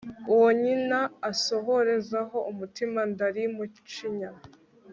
uwo nyina asohorezaho umutima ndalimucinya